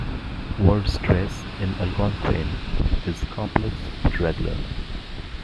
Word stress in Algonquin is complex but regular.